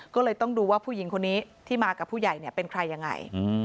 ก็เลยต้องดูว่าผู้หญิงคนนี้ที่มากับผู้ใหญ่เป็นใครยังไง